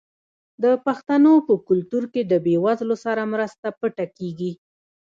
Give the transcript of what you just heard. د پښتنو په کلتور کې د بې وزلو سره مرسته پټه کیږي.